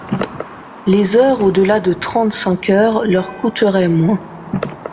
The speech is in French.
Les heures au-delà de trente-cinq heures leur coûteraient moins.